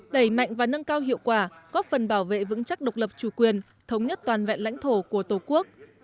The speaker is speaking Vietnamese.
đẩy mạnh và nâng cao hiệu quả góp phần bảo vệ vững chắc độc lập chủ quyền thống nhất toàn vẹn lãnh thổ của tổ quốc